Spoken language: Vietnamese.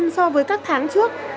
so với các tháng trước